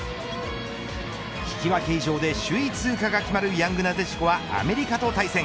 引き分け以上で首位通過が決まるヤングなでしこはアメリカと対戦。